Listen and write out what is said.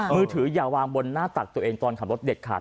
มือถืออย่าวางบนหน้าตักตัวเองตอนขับรถเด็ดขาด